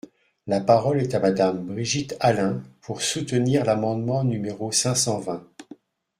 La parole est à Madame Brigitte Allain, pour soutenir l’amendement numéro cinq cent vingt.